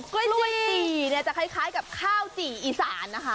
กร้อยจิจะคล้ายกับข้าวจี่อีสานนะค่ะ